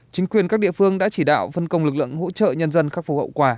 chính quyền các địa phương đã chỉ đạo phân công lực lượng hỗ trợ nhân dân khắc phục hậu quả